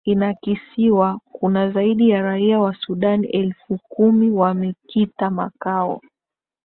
inakisiwa kuwa zaidi ya raia wa sudan elfu kumi wamekita makao